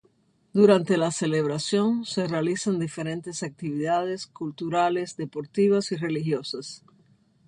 Durante la celebración se realizan diferentes actividades, culturales, deportivas y religiosas.